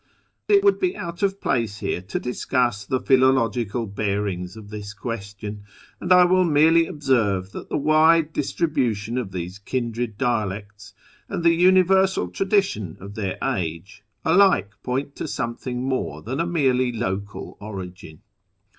^ It would be out of place here to discuss the philological bearings of this question, and I will merely observe that the wide distribution of these kindred dialects, and the universal tradition of their age, alike point to something more than a merely local origin.